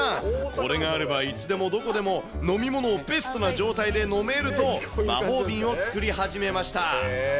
これがあれば、いつでもどこでも飲み物をベストな状態で飲めると、魔法瓶を作り始めました。